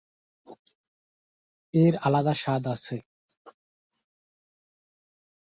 এর আলাদা স্বাদ আছে।